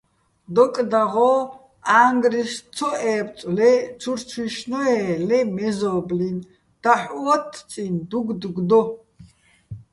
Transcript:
დოკ დაღო́, ა́ჼგრიშ ცო ებწო̆ ლე ჩურჩუჲშნო-ე́ ლე მეზო́ბლინ, დაჰ̦ო́თთწიჼ დუგდუგ დო.